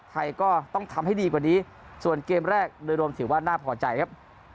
ไทยก็ต้องทำให้ดีกว่านี้ส่วนเกมแรกโดยรวมถือว่าน่าพอใจครับ